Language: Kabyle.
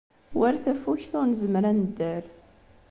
War tafukt, ur nzemmer ad nedder.